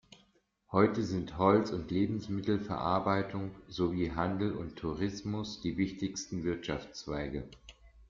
Heute sind Holz- und Lebensmittelverarbeitung sowie Handel und Tourismus die wichtigsten Wirtschaftszweige.